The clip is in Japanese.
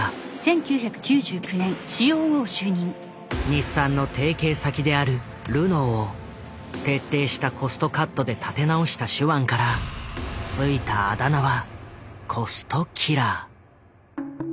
日産の提携先であるルノーを徹底したコストカットで立て直した手腕から付いたあだ名は「コストキラー」。